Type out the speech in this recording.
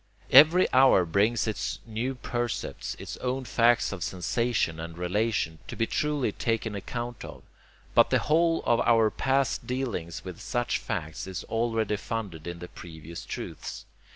Every hour brings its new percepts, its own facts of sensation and relation, to be truly taken account of; but the whole of our PAST dealings with such facts is already funded in the previous truths.